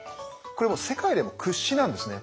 これもう世界でも屈指なんですね。